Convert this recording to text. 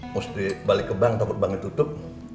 terus balik ke bank takut banknya tutup